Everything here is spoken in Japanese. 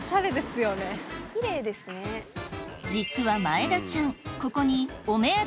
実は前田ちゃん